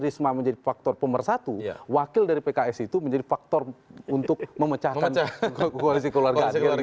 risma menjadi faktor pemersatu wakil dari pks itu menjadi faktor untuk memecahkan koalisi keluarga